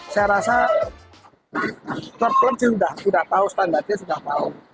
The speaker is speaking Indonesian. saya rasa terpercaya sudah tahu standarnya sudah tahu